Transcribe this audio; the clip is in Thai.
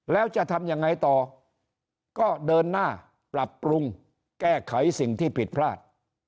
แล้วจะทำยังไงต่อก็เดินหน้าปรับปรุงแก้ไขสิ่งที่ผิดพลาด